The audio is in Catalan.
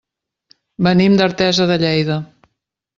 Venim d'Artesa de Lleida.